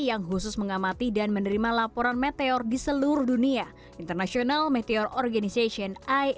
yang khusus mengamati dan menerima laporan meteor di seluruh dunia international meteor organization